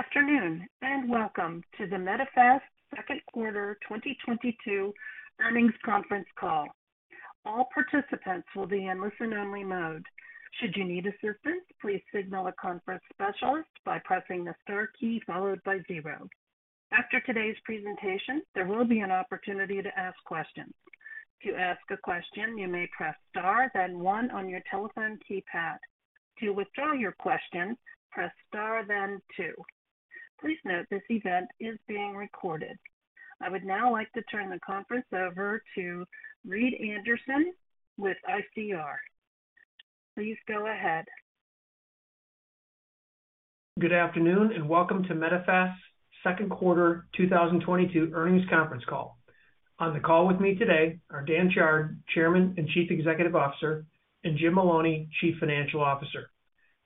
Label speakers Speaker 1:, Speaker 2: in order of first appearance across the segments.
Speaker 1: Good afternoon, and welcome to the Medifast second quarter 2022 earnings conference call. All participants will be in listen-only mode. Should you need assistance, please signal a conference specialist by pressing the star key followed by zero. After today's presentation, there will be an opportunity to ask questions. To ask a question, you may press star then one on your telephone keypad. To withdraw your question, press star then two. Please note this event is being recorded. I would now like to turn the conference over to Reed Anderson with ICR. Please go ahead.
Speaker 2: Good afternoon, and welcome to Medifast second quarter 2022 earnings conference call. On the call with me today are Dan Chard, Chairman and Chief Executive Officer, and Jim Maloney, Chief Financial Officer.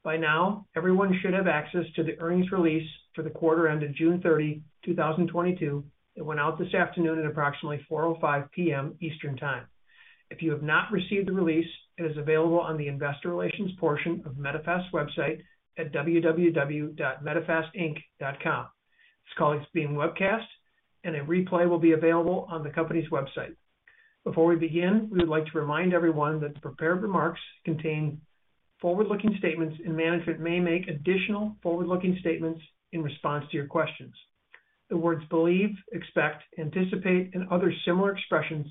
Speaker 2: By now, everyone should have access to the earnings release for the quarter ended June 30, 2022. It went out this afternoon at approximately 4:05 P.M. Eastern Time. If you have not received the release, it is available on the investor relations portion of Medifast website at www.medifastinc.com. This call is being webcast, and a replay will be available on the company's website. Before we begin, we would like to remind everyone that the prepared remarks contain forward-looking statements, and management may make additional forward-looking statements in response to your questions. The words believe, expect, anticipate, and other similar expressions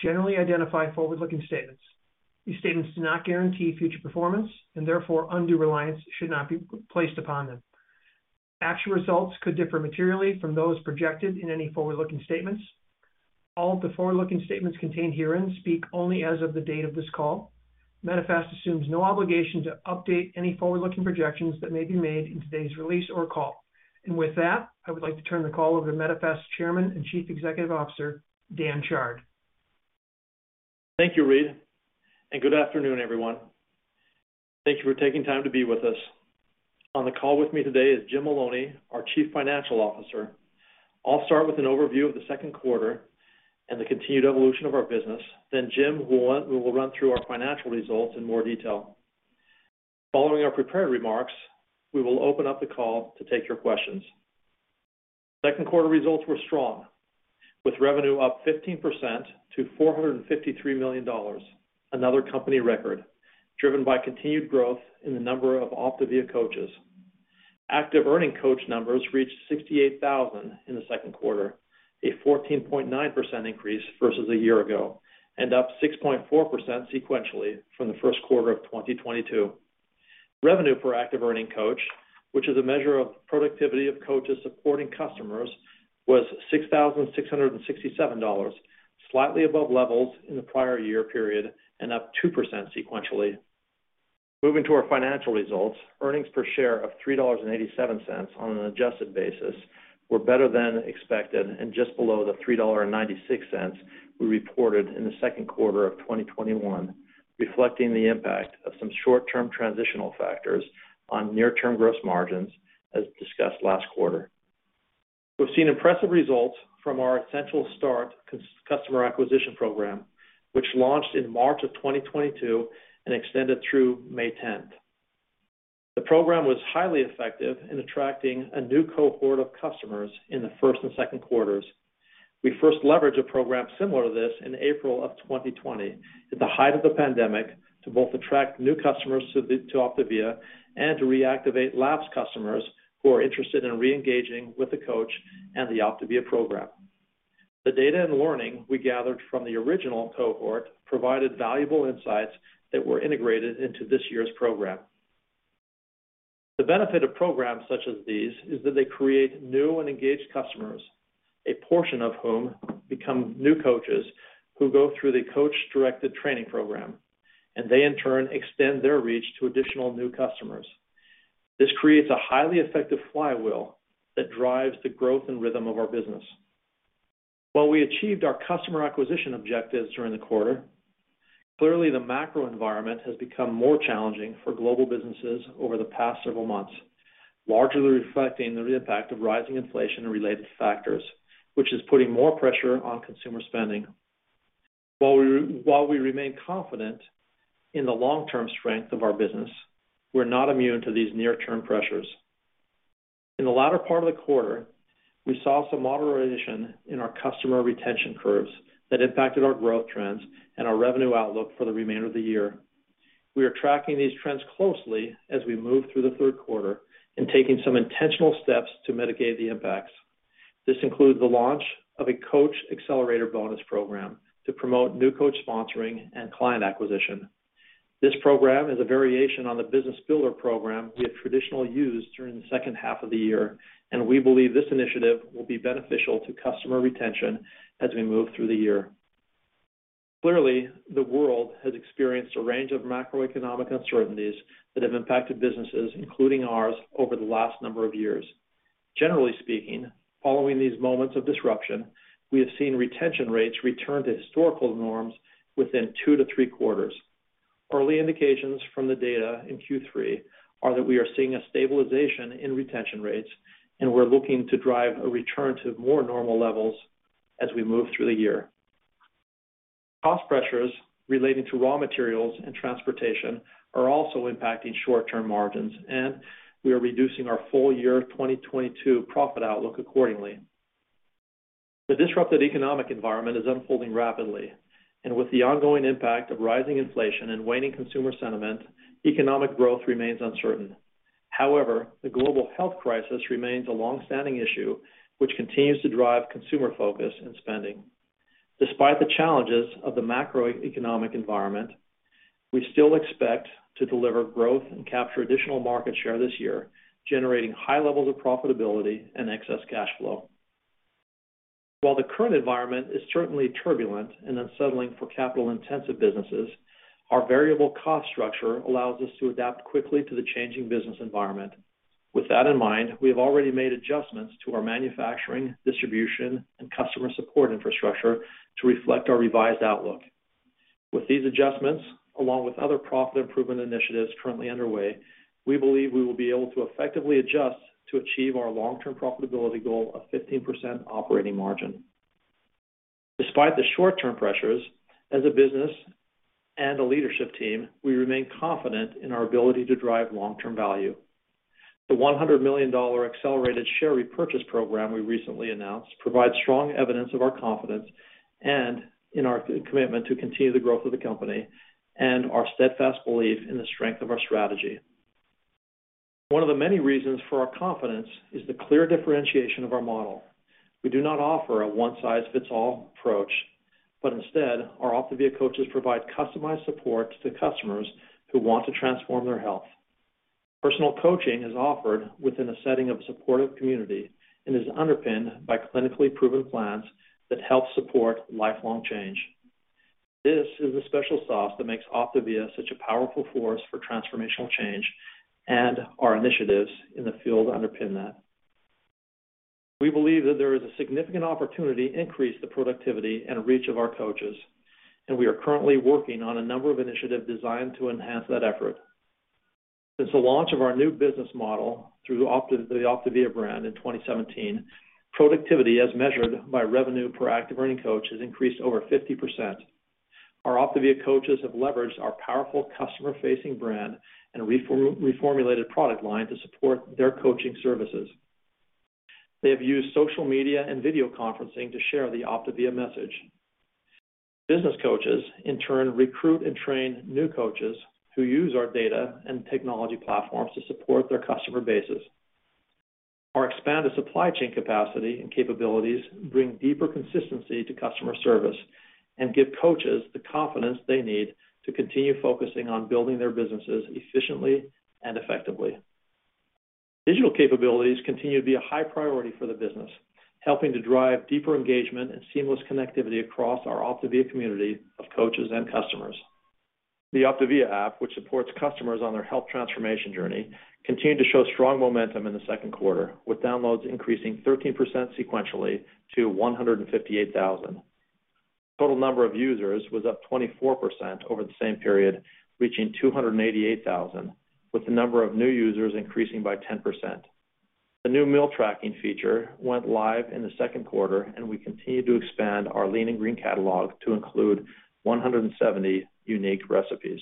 Speaker 2: generally identify forward-looking statements. These statements do not guarantee future performance, and therefore, undue reliance should not be placed upon them. Actual results could differ materially from those projected in any forward-looking statements. All of the forward-looking statements contained herein speak only as of the date of this call. Medifast assumes no obligation to update any forward-looking projections that may be made in today's release or call. With that, I would like to turn the call over to Medifast Chairman and Chief Executive Officer, Dan Chard.
Speaker 3: Thank you, Reed, and good afternoon, everyone. Thank you for taking time to be with us. On the call with me today is Jim Maloney, our Chief Financial Officer. I'll start with an overview of the second quarter and the continued evolution of our business. Then Jim will run through our financial results in more detail. Following our prepared remarks, we will open up the call to take your questions. Second quarter results were strong, with revenue up 15% to $453 million, another company record, driven by continued growth in the number of OPTAVIA Coaches. Active earning OPTAVIA Coach numbers reached 68,000 in the second quarter, a 14.9% increase versus a year ago, and up 6.4% sequentially from the first quarter of 2022. Revenue per active earning OPTAVIA Coach, which is a measure of productivity of coaches supporting customers, was $6,667, slightly above levels in the prior year period and up 2% sequentially. Moving to our financial results, earnings per share of $3.87 on an adjusted basis were better than expected and just below the $3.96 we reported in the second quarter of 2021, reflecting the impact of some short-term transitional factors on near-term gross margins, as discussed last quarter. We've seen impressive results from our essential start customer acquisition program, which launched in March of 2022 and extended through May tenth. The program was highly effective in attracting a new cohort of customers in the first and second quarters. We first leveraged a program similar to this in April of 2020, at the height of the pandemic, to both attract new customers to OPTAVIA and to reactivate lapsed customers who are interested in re-engaging with the Coach and the OPTAVIA program. The data and learning we gathered from the original cohort provided valuable insights that were integrated into this year's program. The benefit of programs such as these is that they create new and engaged customers, a portion of whom become new coaches who go through the coach-directed training program, and they in turn extend their reach to additional new customers. This creates a highly effective flywheel that drives the growth and rhythm of our business. While we achieved our customer acquisition objectives during the quarter, clearly the macro environment has become more challenging for global businesses over the past several months, largely reflecting the impact of rising inflation and related factors, which is putting more pressure on consumer spending. While we remain confident in the long-term strength of our business, we're not immune to these near-term pressures. In the latter part of the quarter, we saw some moderation in our customer retention curves that impacted our growth trends and our revenue outlook for the remainder of the year. We are tracking these trends closely as we move through the third quarter and taking some intentional steps to mitigate the impacts. This includes the launch of a coach accelerator bonus program to promote new coach sponsoring and client acquisition. This program is a variation on the business builder program we have traditionally used during the second half of the year, and we believe this initiative will be beneficial to customer retention as we move through the year. Clearly, the world has experienced a range of macroeconomic uncertainties that have impacted businesses, including ours, over the last number of years. Generally speaking, following these moments of disruption, we have seen retention rates return to historical norms within two to three quarters. Early indications from the data in Q3 are that we are seeing a stabilization in retention rates, and we're looking to drive a return to more normal levels as we move through the year. Cost pressures relating to raw materials and transportation are also impacting short-term margins, and we are reducing our full year 2022 profit outlook accordingly. The disrupted economic environment is unfolding rapidly, and with the ongoing impact of rising inflation and waning consumer sentiment, economic growth remains uncertain. However, the global health crisis remains a long-standing issue, which continues to drive consumer focus and spending. Despite the challenges of the macroeconomic environment, we still expect to deliver growth and capture additional market share this year, generating high levels of profitability and excess cash flow. While the current environment is certainly turbulent and unsettling for capital-intensive businesses, our variable cost structure allows us to adapt quickly to the changing business environment. With that in mind, we have already made adjustments to our manufacturing, distribution, and customer support infrastructure to reflect our revised outlook. With these adjustments, along with other profit improvement initiatives currently underway, we believe we will be able to effectively adjust to achieve our long-term profitability goal of 15% operating margin. Despite the short-term pressures as a business and a leadership team, we remain confident in our ability to drive long-term value. The $100 million accelerated share repurchase program we recently announced provides strong evidence of our confidence and in our commitment to continue the growth of the company, and our steadfast belief in the strength of our strategy. One of the many reasons for our confidence is the clear differentiation of our model. We do not offer a one size fits all approach, but instead, our OPTAVIA Coaches provide customized support to customers who want to transform their health. Personal coaching is offered within a setting of supportive community and is underpinned by clinically proven plans that help support lifelong change. This is the special sauce that makes OPTAVIA such a powerful force for transformational change, and our initiatives in the field underpin that. We believe that there is a significant opportunity to increase the productivity and reach of our coaches, and we are currently working on a number of initiatives designed to enhance that effort. Since the launch of our new business model through the OPTAVIA brand in 2017, productivity as measured by revenue per active earning coach, has increased over 50%. Our OPTAVIA Coaches have leveraged our powerful customer-facing brand and reformulated product line to support their coaching services. They have used social media and video conferencing to share the OPTAVIA message. Business coaches, in turn, recruit and train new coaches who use our data and technology platforms to support their customer bases. Our expanded supply chain capacity and capabilities bring deeper consistency to customer service and give coaches the confidence they need to continue focusing on building their businesses efficiently and effectively. Digital capabilities continue to be a high priority for the business, helping to drive deeper engagement and seamless connectivity across our OPTAVIA community of coaches and customers. The OPTAVIA app, which supports customers on their health transformation journey, continued to show strong momentum in the second quarter, with downloads increasing 13% sequentially to 158,000. Total number of users was up 24% over the same period, reaching 288,000, with the number of new users increasing by 10%. The new meal tracking feature went live in the second quarter, and we continue to expand our Lean & Green catalog to include 170 unique recipes.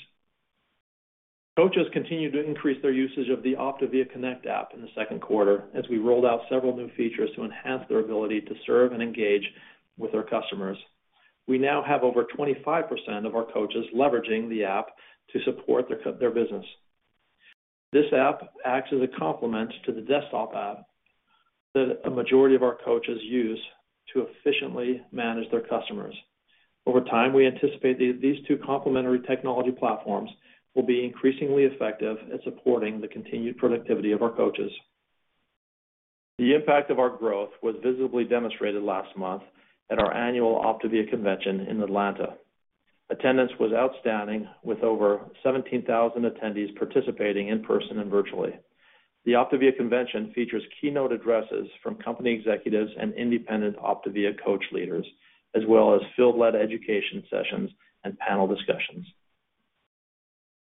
Speaker 3: Coaches continued to increase their usage of the OPTAVIA Connect app in the second quarter as we rolled out several new features to enhance their ability to serve and engage with our customers. We now have over 25% of our coaches leveraging the app to support their business. This app acts as a complement to the desktop app that a majority of our coaches use to efficiently manage their customers. Over time, we anticipate these two complementary technology platforms will be increasingly effective at supporting the continued productivity of our coaches. The impact of our growth was visibly demonstrated last month at our annual OPTAVIA Convention in Atlanta. Attendance was outstanding, with over 17,000 attendees participating in person and virtually. The OPTAVIA Convention features keynote addresses from company executives and independent OPTAVIA coach leaders, as well as field-led education sessions and panel discussions.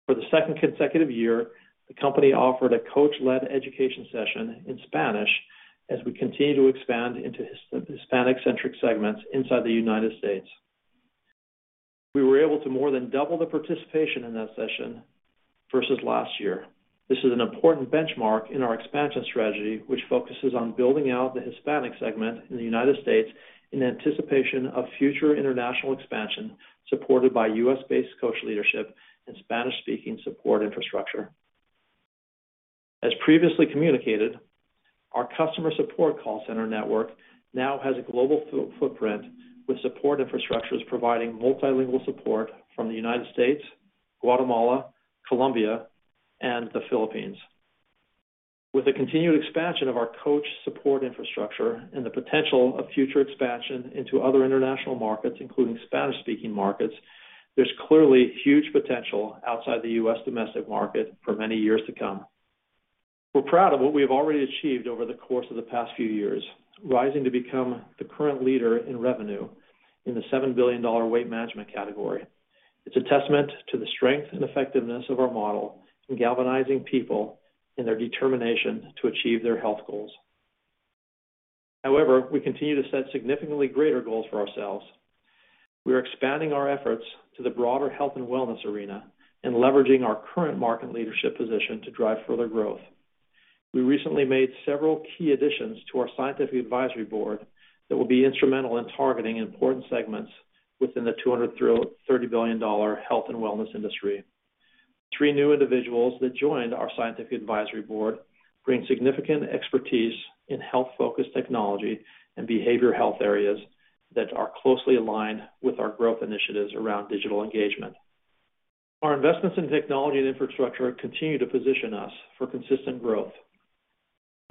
Speaker 3: For the second consecutive year, the company offered a coach-led education session in Spanish as we continue to expand into Hispanic-centric segments inside the United States. We were able to more than double the participation in that session versus last year. This is an important benchmark in our expansion strategy, which focuses on building out the Hispanic segment in the United States in anticipation of future international expansion supported by U.S.-based coach leadership and Spanish-speaking support infrastructure. As previously communicated, our customer support call center network now has a global footprint, with support infrastructures providing multilingual support from the United States, Guatemala, Colombia, and the Philippines. With the continued expansion of our coach support infrastructure and the potential of future expansion into other international markets, including Spanish-speaking markets, there's clearly huge potential outside the U.S. domestic market for many years to come. We're proud of what we have already achieved over the course of the past few years, rising to become the current leader in revenue in the $7 billion weight management category. It's a testament to the strength and effectiveness of our model in galvanizing people in their determination to achieve their health goals. However, we continue to set significantly greater goals for ourselves. We are expanding our efforts to the broader health and wellness arena and leveraging our current market leadership position to drive further growth. We recently made several key additions to our Scientific Advisory Board that will be instrumental in targeting important segments within the $200 billion-$300 billion health and wellness industry. Three new individuals that joined our Scientific Advisory Board bring significant expertise in health-focused technology and behavioral health areas that are closely aligned with our growth initiatives around digital engagement. Our investments in technology and infrastructure continue to position us for consistent growth.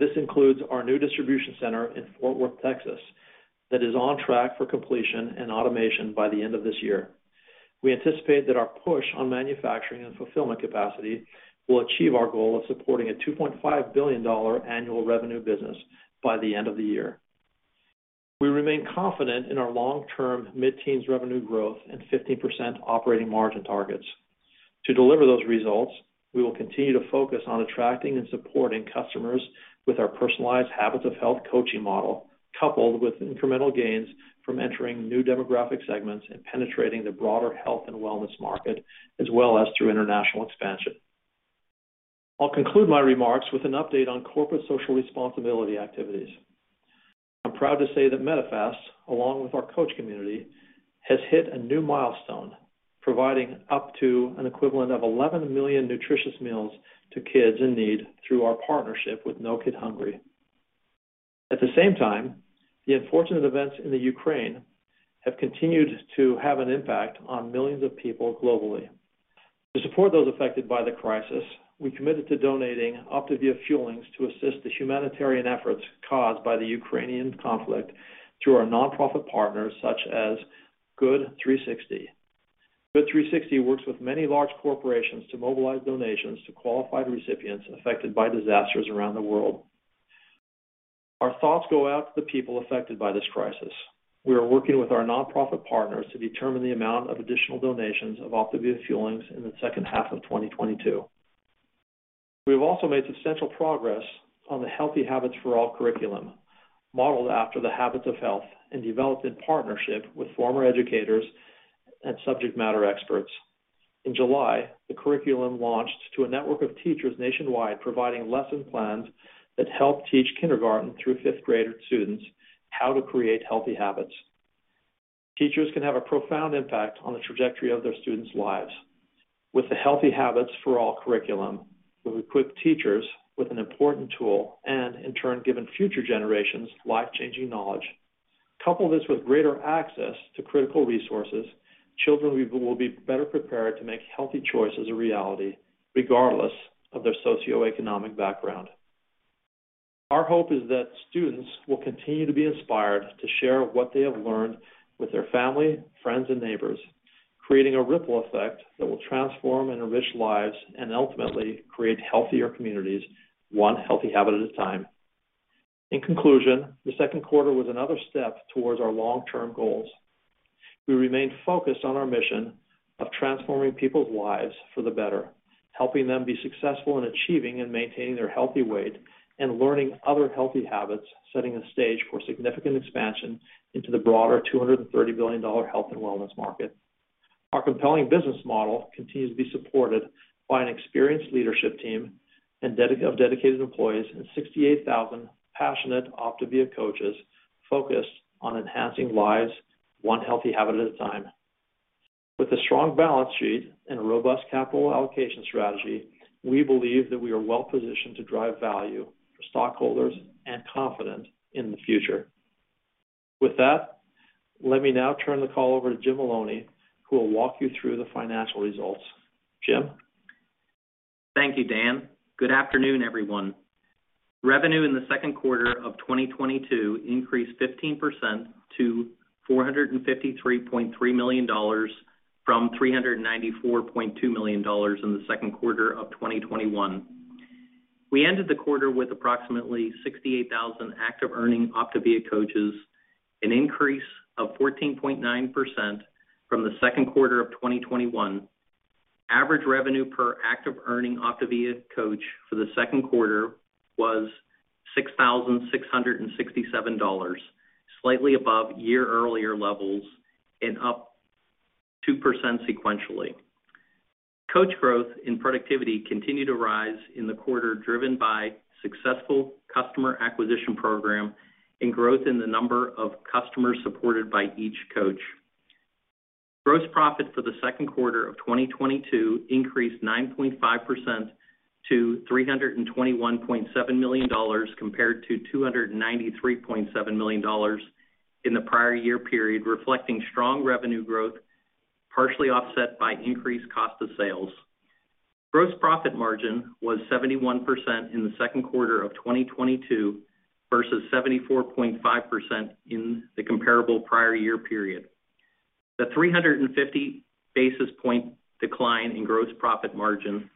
Speaker 3: This includes our new distribution center in Fort Worth, Texas, that is on track for completion and automation by the end of this year. We anticipate that our push on manufacturing and fulfillment capacity will achieve our goal of supporting a $2.5 billion annual revenue business by the end of the year. We remain confident in our long-term mid-teens revenue growth and 15% operating margin targets. To deliver those results, we will continue to focus on attracting and supporting customers with our personalized Habits of Health coaching model, coupled with incremental gains from entering new demographic segments and penetrating the broader health and wellness market, as well as through international expansion. I'll conclude my remarks with an update on corporate social responsibility activities. I'm proud to say that Medifast, along with our Coach community, has hit a new milestone, providing up to an equivalent of 11 million nutritious meals to kids in need through our partnership with No Kid Hungry. At the same time, the unfortunate events in the Ukraine have continued to have an impact on millions of people globally. To support those affected by the crisis, we committed to donating OPTAVIA Fuelings to assist the humanitarian efforts caused by the Ukrainian conflict through our nonprofit partners, such as Good360. Good360 works with many large corporations to mobilize donations to qualified recipients affected by disasters around the world. Our thoughts go out to the people affected by this crisis. We are working with our nonprofit partners to determine the amount of additional donations of OPTAVIA Fuelings in the second half of 2022. We have also made substantial progress on the Healthy Habits For All curriculum, modeled after the Habits of Health and developed in partnership with former educators and subject matter experts. In July, the curriculum launched to a network of teachers nationwide, providing lesson plans that help teach kindergarten through fifth-grade students how to create healthy habits. Teachers can have a profound impact on the trajectory of their students' lives. With the Healthy Habits For All curriculum, we equip teachers with an important tool and in turn, giving future generations life-changing knowledge. Couple this with greater access to critical resources, children will be better prepared to make healthy choices a reality regardless of their socioeconomic background. Our hope is that students will continue to be inspired to share what they have learned with their family, friends, and neighbors, creating a ripple effect that will transform and enrich lives and ultimately create healthier communities, one healthy habit at a time. In conclusion, the second quarter was another step towards our long-term goals. We remain focused on our mission of transforming people's lives for the better, helping them be successful in achieving and maintaining their healthy weight and learning other healthy habits, setting the stage for significant expansion into the broader $230 billion health and wellness market. Our compelling business model continues to be supported by an experienced leadership team and dedicated employees and 68,000 passionate OPTAVIA Coaches focused on enhancing lives, one healthy habit at a time. With a strong balance sheet and a robust capital allocation strategy, we believe that we are well positioned to drive value for stockholders and confident in the future. With that, let me now turn the call over to Jim Maloney, who will walk you through the financial results. Jim?
Speaker 4: Thank you, Dan. Good afternoon, everyone. Revenue in the second quarter of 2022 increased 15% to $453.3 million from $394.2 million in the second quarter of 2021. We ended the quarter with approximately 68,000 active earning OPTAVIA Coaches, an increase of 14.9% from the second quarter of 2021. Average revenue per active earning OPTAVIA Coach for the second quarter was $6,667, slightly above year earlier levels and up 2% sequentially. Coach growth and productivity continued to rise in the quarter, driven by successful customer acquisition program and growth in the number of customers supported by each coach. Gross profit for the second quarter of 2022 increased 9.5% to $321.7 million compared to $293.7 million in the prior year period, reflecting strong revenue growth, partially offset by increased cost of sales. Gross profit margin was 71% in the second quarter of 2022 versus 74.5% in the comparable prior year period. The 350 basis point decline in gross profit margin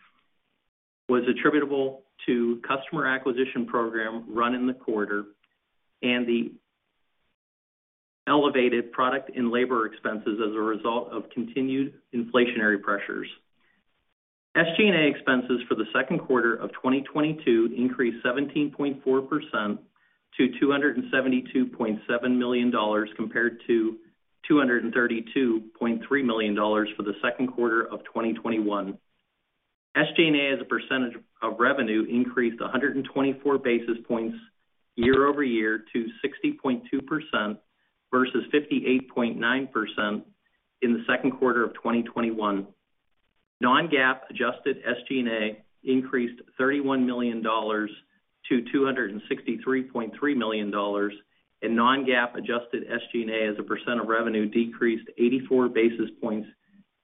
Speaker 4: was attributable to customer acquisition program run in the quarter and the elevated product and labor expenses as a result of continued inflationary pressures. SG&A expenses for the second quarter of 2022 increased 17.4% to $272.7 million compared to $232.3 million for the second quarter of 2021. SG&A as a percentage of revenue increased 124 basis points year-over-year to 60.2% versus 58.9% in the second quarter of 2021. Non-GAAP adjusted SG&A increased $31 million to $263.3 million, and non-GAAP adjusted SG&A as a percent of revenue decreased 84 basis points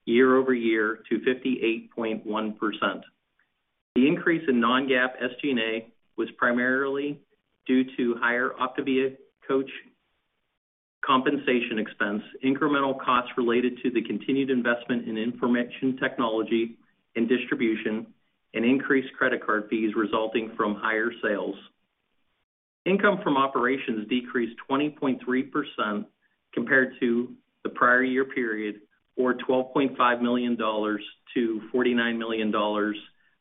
Speaker 4: year-over-year to 58.1%. The increase in non-GAAP SG&A was primarily due to higher OPTAVIA Coach compensation expense, incremental costs related to the continued investment in information technology and distribution, and increased credit card fees resulting from higher sales. Income from operations decreased 20.3% compared to the prior year period, or $12.5 million to $49 million,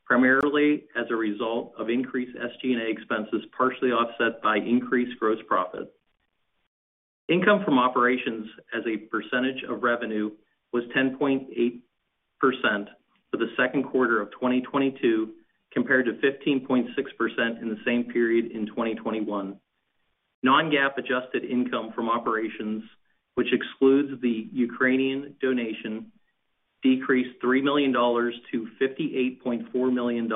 Speaker 4: primarily as a result of increased SG&A expenses, partially offset by increased gross profit. Income from operations as a percentage of revenue was 10.8% for the second quarter of 2022, compared to 15.6% in the same period in 2021. Non-GAAP adjusted income from operations, which excludes the Ukrainian donation, decreased $3 million to $58.4 million.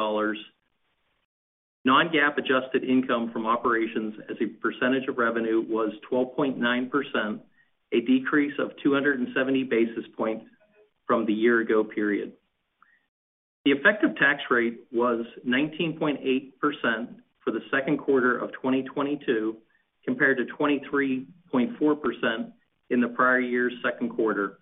Speaker 4: Non-GAAP adjusted income from operations as a percentage of revenue was 12.9%, a decrease of 270 basis points from the year ago period. The effective tax rate was 19.8% for the second quarter of 2022, compared to 23.4% in the prior year's second quarter.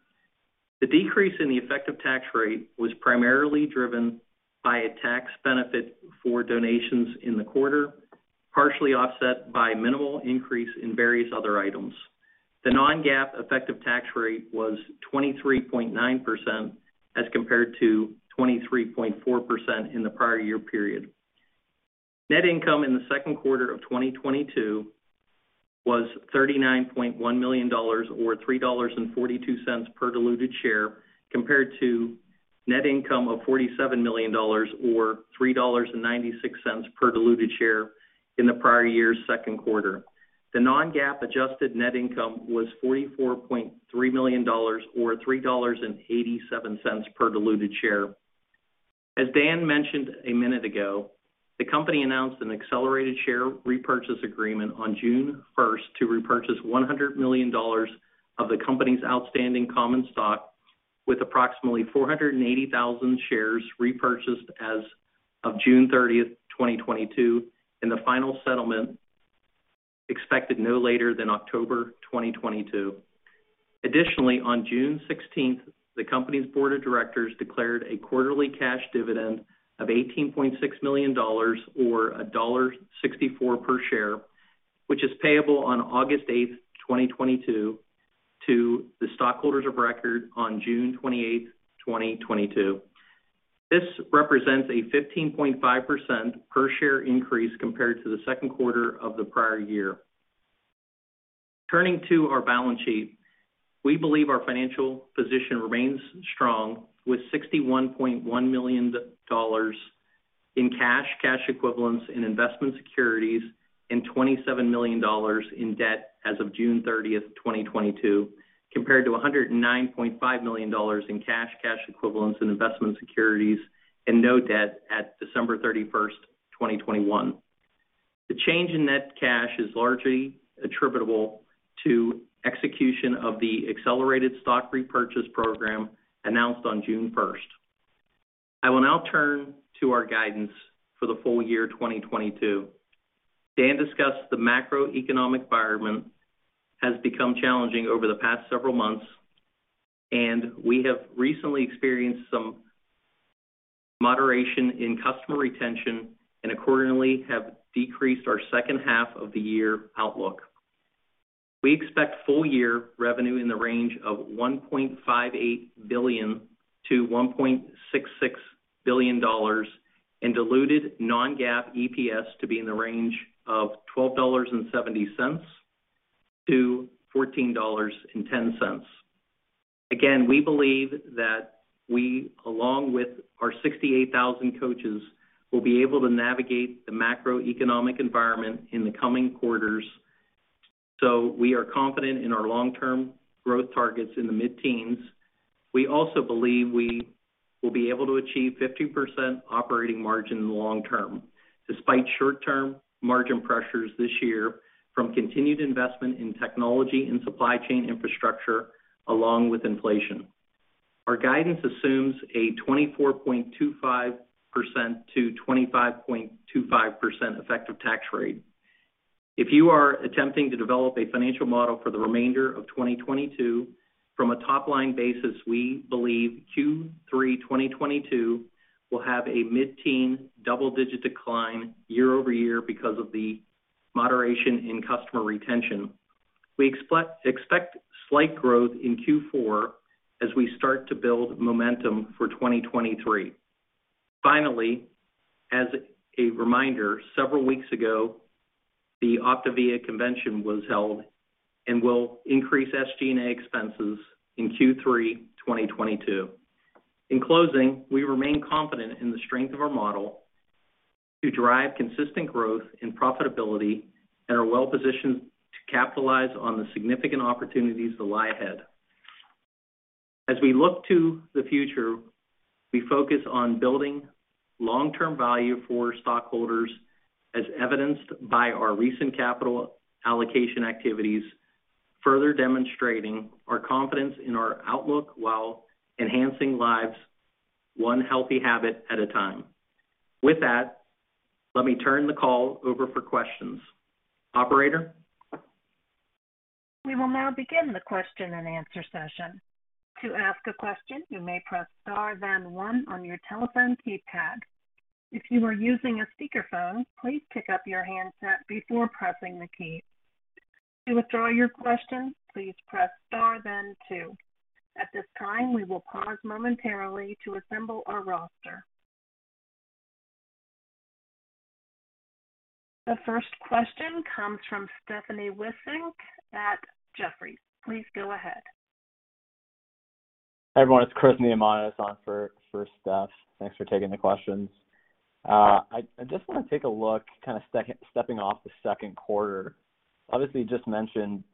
Speaker 4: The decrease in the effective tax rate was primarily driven by a tax benefit for donations in the quarter, partially offset by minimal increase in various other items. The non-GAAP effective tax rate was 23.9% as compared to 23.4% in the prior year period. Net income in the second quarter of 2022 was $39.1 million or $3.42 per diluted share, compared to net income of $47 million or $3.96 per diluted share in the prior year's second quarter. The non-GAAP adjusted net income was $44.3 million or $3.87 per diluted share. As Dan mentioned a minute ago, the company announced an accelerated share repurchase agreement on June 1st to repurchase $100 million of the company's outstanding common stock with approximately 480,000 shares repurchased as of June 30th, 2022, and the final settlement expected no later than October 2022. Additionally, on June 16th, the company's board of directors declared a quarterly cash dividend of $18.6 million or $1.64 per share, which is payable on August 8th, 2022 to the stockholders of record on June 28th, 2022. This represents a 15.5% per share increase compared to the second quarter of the prior year. Turning to our balance sheet, we believe our financial position remains strong with $61.1 million in cash equivalents, and investment securities, and $27 million in debt as of June 30th, 2022, compared to $109.5 million in cash equivalents, and investment securities and no debt at December 31st, 2021. The change in net cash is largely attributable to execution of the accelerated share repurchase program announced on June 1st. I will now turn to our guidance for the full year 2022. Dan discussed the macroeconomic environment has become challenging over the past several months, and we have recently experienced some moderation in customer retention and accordingly have decreased our second half of the year outlook. We expect full year revenue in the range of $1.58 billion-$1.66 billion and diluted non-GAAP EPS to be in the range of $12.70-$14.10. Again, we believe that we, along with our 68,000 coaches, will be able to navigate the macroeconomic environment in the coming quarters, so we are confident in our long-term growth targets in the mid-teens. We also believe we will be able to achieve 15% operating margin in the long term, despite short-term margin pressures this year from continued investment in technology and supply chain infrastructure, along with inflation. Our guidance assumes a 24.25%-25.25% effective tax rate. If you are attempting to develop a financial model for the remainder of 2022. From a top-line basis, we believe Q3 2022 will have a mid-teen double-digit decline year-over-year because of the moderation in customer retention. We expect slight growth in Q4 as we start to build momentum for 2023. Finally, as a reminder, several weeks ago, the OPTAVIA Convention was held and will increase SG&A expenses in Q3 2022. In closing, we remain confident in the strength of our model to drive consistent growth and profitability and are well positioned to capitalize on the significant opportunities that lie ahead. As we look to the future, we focus on building long-term value for stockholders, as evidenced by our recent capital allocation activities, further demonstrating our confidence in our outlook while enhancing lives one healthy habit at a time. With that, let me turn the call over for questions. Operator?
Speaker 1: We will now begin the question-and-answer session. To ask a question, you may press star then one on your telephone keypad. If you are using a speakerphone, please pick up your handset before pressing the key. To withdraw your question, please press star then two. At this time, we will pause momentarily to assemble our roster. The first question comes from Stephanie Wissink at Jefferies. Please go ahead.
Speaker 5: Everyone, it's Chris Neamonitis on for Steph. Thanks for taking the questions. I just wanna take a look kinda stepping off the second quarter. Obviously, you just mentioned,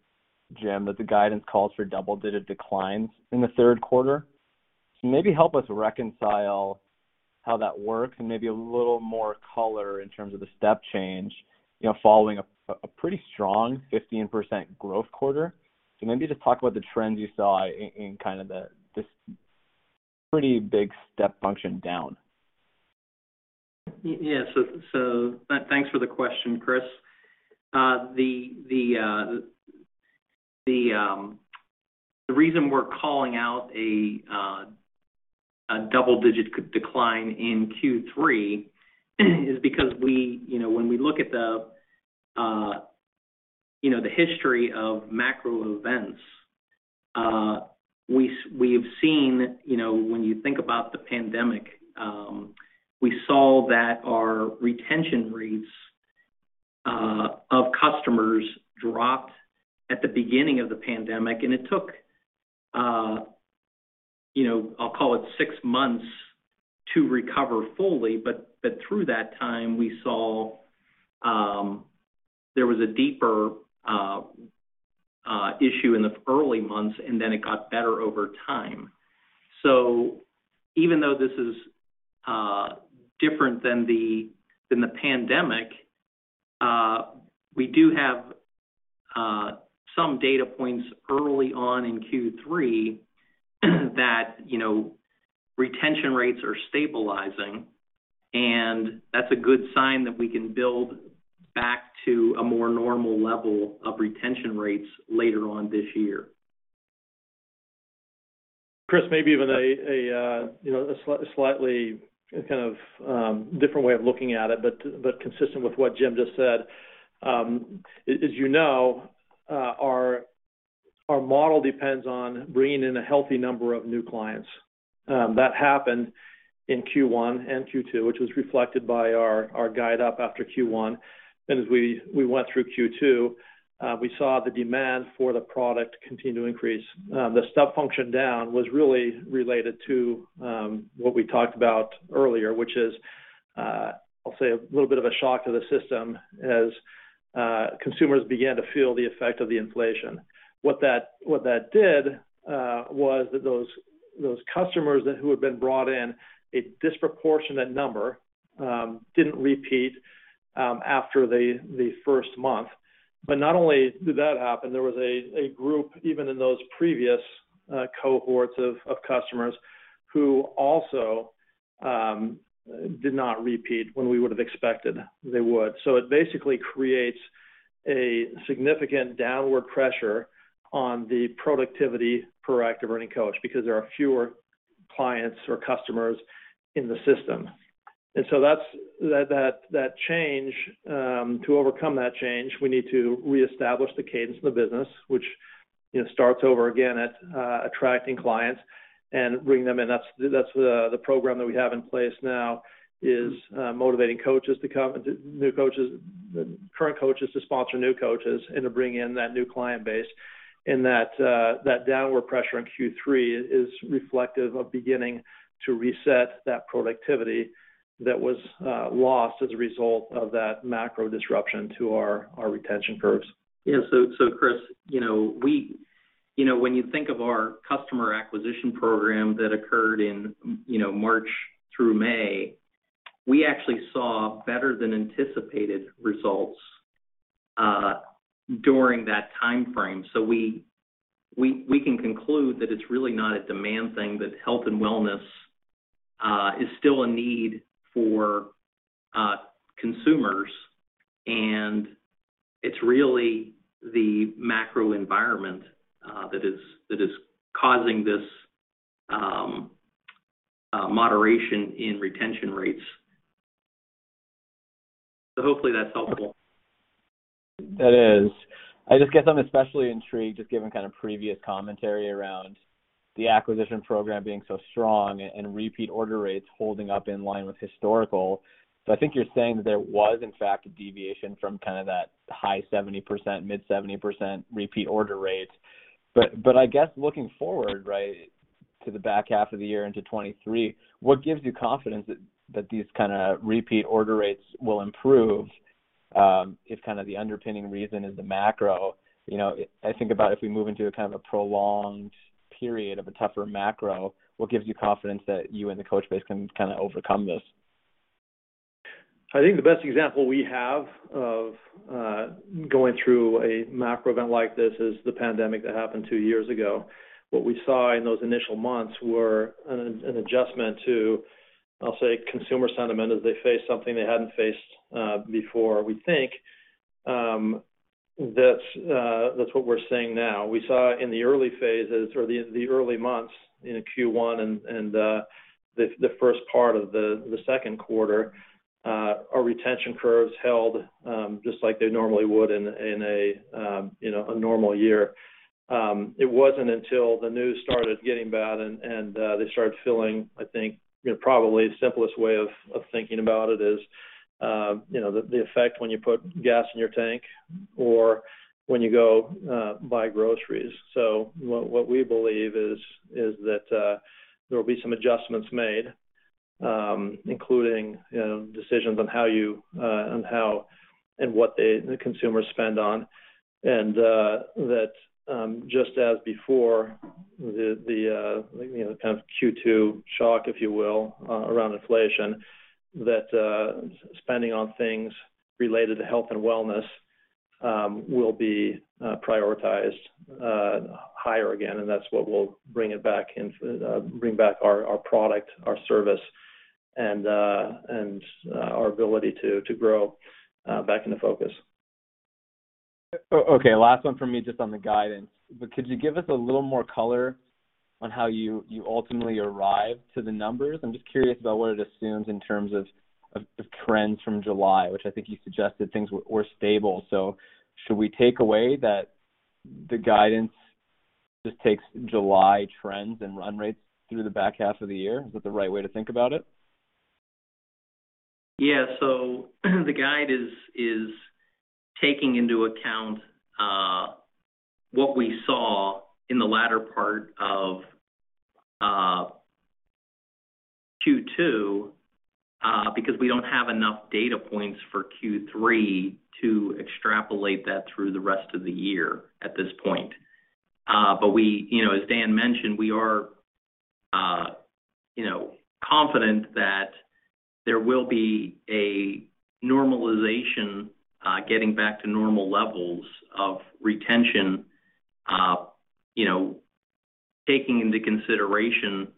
Speaker 5: Jim, that the guidance calls for double-digit declines in the third quarter. Maybe help us reconcile how that works and maybe a little more color in terms of the step change? You know, following a pretty strong 15% growth quarter. Maybe just talk about the trends you saw in kind of this pretty big step function down.
Speaker 4: Thanks for the question, Chris. The reason we're calling out a double-digit decline in Q3 is because we, you know, when we look at the history of macro events, we have seen, you know, when you think about the pandemic, we saw that our retention rates of customers dropped at the beginning of the pandemic, and it took, you know, I'll call it six months to recover fully. But through that time, we saw there was a deeper issue in the early months, and then it got better over time. Even though this is different than the pandemic, we do have some data points early on in Q3 that, you know, retention rates are stabilizing, and that's a good sign that we can build back to a more normal level of retention rates later on this year.
Speaker 3: Chris, maybe even a you know, a slightly kind of different way of looking at it, but consistent with what Jim just said. As you know, our model depends on bringing in a healthy number of new clients. That happened in Q1 and Q2, which was reflected by our guide up after Q1. As we went through Q2, we saw the demand for the product continue to increase. The step function down was really related to what we talked about earlier, which is I'll say a little bit of a shock to the system as consumers began to feel the effect of the inflation. What that did was that those customers who had been brought in, a disproportionate number, didn't repeat after the first month. Not only did that happen, there was a group, even in those previous cohorts of customers who also did not repeat when we would've expected they would. It basically creates a significant downward pressure on the productivity per active earning coach because there are fewer clients or customers in the system. That's that change to overcome that change, we need to reestablish the cadence of the business, which, you know, starts over again at attracting clients and bringing them in. That's the program that we have in place now, is motivating new coaches, current coaches to sponsor new coaches and to bring in that new client base. That downward pressure in Q3 is reflective of beginning to reset that productivity that was lost as a result of that macro disruption to our retention curves.
Speaker 4: Yeah. Chris, you know, we, you know, when you think of our customer acquisition program that occurred in, you know, March through May, we actually saw better than anticipated results during that timeframe. We can conclude that it's really not a demand thing, that health and wellness is still a need for consumers, and it's really the macro environment that is causing this moderation in retention rates. Hopefully that's helpful.
Speaker 5: That is. I just guess I'm especially intrigued, just given kind of previous commentary around the acquisition program being so strong and repeat order rates holding up in line with historical. I think you're saying that there was, in fact, a deviation from kind of that high 70%, mid 70% repeat order rates. I guess looking forward, right, to the back half of the year into 2023, what gives you confidence that these kind of repeat order rates will improve, if kind of the underpinning reason is the macro? You know, I think about if we move into a kind of a prolonged period of a tougher macro, what gives you confidence that you and the coach base can kinda overcome this?
Speaker 3: I think the best example we have of going through a macro event like this is the pandemic that happened two years ago. What we saw in those initial months were an adjustment to, I'll say, consumer sentiment as they faced something they hadn't faced before. We think that that's what we're seeing now. We saw in the early phases or the early months in Q1 and the first part of the second quarter our retention curves held just like they normally would in a you know a normal year. It wasn't until the news started getting bad and they started feeling, I think, you know, probably the simplest way of thinking about it is, you know, the effect when you put gas in your tank or when you go buy groceries. What we believe is that there will be some adjustments made, including, you know, decisions on how and what the consumers spend on. that just as before the, you know, the kind of Q2 shock, if you will, around inflation, that spending on things related to health and wellness will be prioritized higher again, and that's what will bring back our product, our service, and our ability to grow back into focus.
Speaker 5: Okay, last one for me just on the guidance. Could you give us a little more color on how you ultimately arrived to the numbers? I'm just curious about what it assumes in terms of trends from July, which I think you suggested things were stable. Should we take away that the guidance just takes July trends and run rates through the back half of the year? Is that the right way to think about it?
Speaker 4: Yeah. The guide is taking into account what we saw in the latter part of Q2 because we don't have enough data points for Q3 to extrapolate that through the rest of the year at this point. You know, as Dan mentioned, we are, you know, confident that there will be a normalization getting back to normal levels of retention, you know, taking into consideration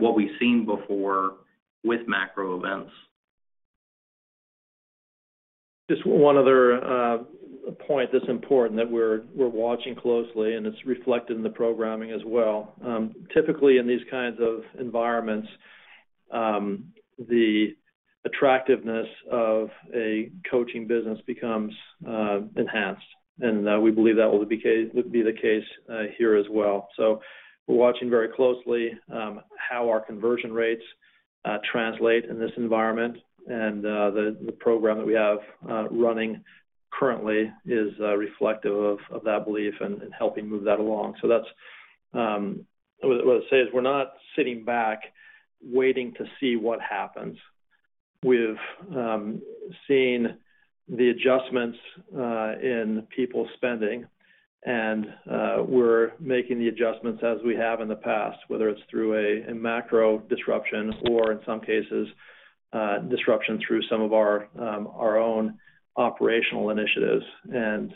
Speaker 4: what we've seen before with macro events.
Speaker 3: Just one other point that's important that we're watching closely, and it's reflected in the programming as well. Typically in these kinds of environments, the attractiveness of a coaching business becomes enhanced, and we believe that will be the case here as well. We're watching very closely how our conversion rates translate in this environment. The program that we have running currently is reflective of that belief and helping move that along. That's what I'm saying is we're not sitting back waiting to see what happens. We've seen the adjustments in people spending, and we're making the adjustments as we have in the past, whether it's through a macro disruption or in some cases disruption through some of our own operational initiatives and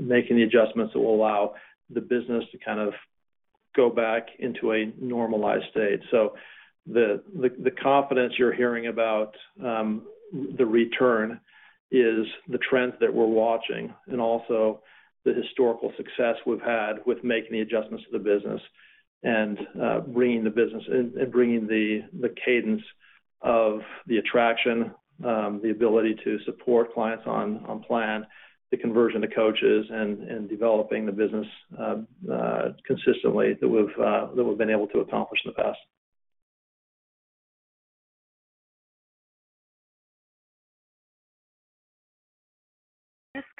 Speaker 3: making the adjustments that will allow the business to kind of go back into a normalized state. The confidence you're hearing about the return is the trends that we're watching and also the historical success we've had with making the adjustments to the business and bringing the business and bringing the cadence of the attraction, the ability to support clients on plan, the conversion to coaches and developing the business consistently that we've been able to accomplish in the past.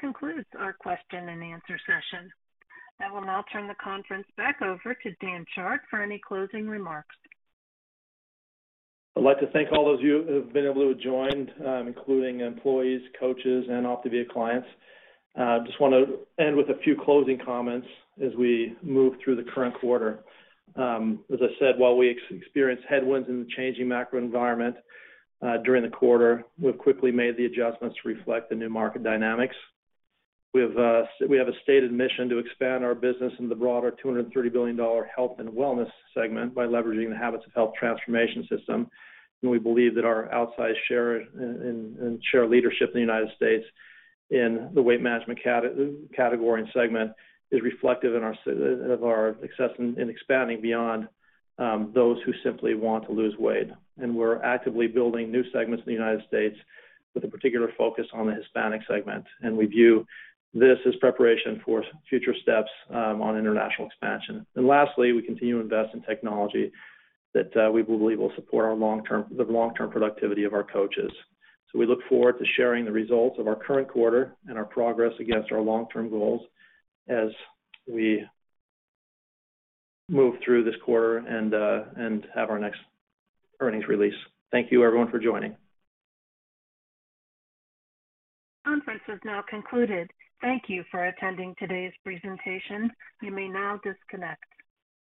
Speaker 1: This concludes our question and answer session. I will now turn the conference back over to Dan Chard for any closing remarks.
Speaker 3: I'd like to thank all those of you who have been able to join, including employees, coaches, and OPTAVIA clients. Just wanna end with a few closing comments as we move through the current quarter. As I said, while we experienced headwinds in the changing macro environment, during the quarter, we've quickly made the adjustments to reflect the new market dynamics. We've we have a stated mission to expand our business in the broader $230 billion health and wellness segment by leveraging the Habits of Health Transformational System. We believe that our outsized share and share leadership in the United States in the weight management category and segment is reflective of our success in expanding beyond those who simply want to lose weight. We're actively building new segments in the United States with a particular focus on the Hispanic segment, and we view this as preparation for future steps on international expansion. Lastly, we continue to invest in technology that we believe will support our long-term productivity of our coaches. We look forward to sharing the results of our current quarter and our progress against our long-term goals as we move through this quarter and have our next earnings release. Thank you everyone for joining.
Speaker 1: Conference is now concluded. Thank you for attending today's presentation. You may now disconnect.